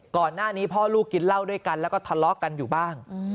ก่อนหน้านี้พ่อลูกกินเหล้าด้วยกันแล้วก็ทะเลาะกันอยู่บ้าง